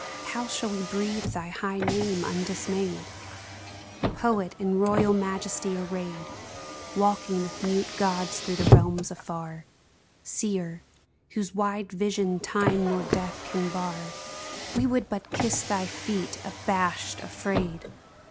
How shall we breathe thy high name undismayed ? Poet, in royal majesty arrayed. Walking with mute gods through the realms afar Seer, whose wide vision time nor death can bar, We would but kiss thy feet, abashed, afraid